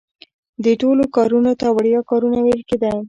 دې ټولو کارونو ته وړیا کارونه ویل کیده.